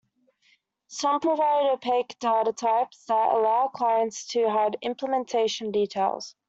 Some provide opaque data types that allow clients to hide implementation details.